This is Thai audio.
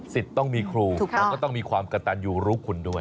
ต้องมีครูแล้วก็ต้องมีความกระตันยูรู้คุณด้วย